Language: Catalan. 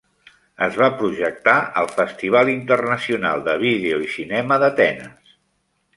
Es va projectar al Festival Internacional de Vídeo i Cinema d'Atenes.